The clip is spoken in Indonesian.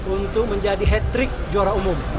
untuk menjadi hat trick juara umum